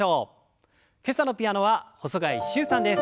今朝のピアノは細貝柊さんです。